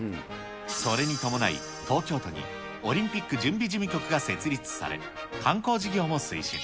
それに伴い、東京都にオリンピック準備事務局が設立され、観光事業も推進。